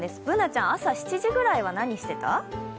Ｂｏｏｎａちゃん、朝７時ぐらいは何してた？